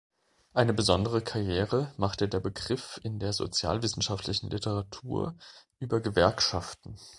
Eine besondere Karriere machte der Begriff in der sozialwissenschaftlichen Literatur über Gewerkschaften.